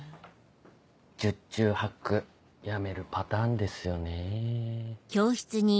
十中八九やめるパターンですよねぇ。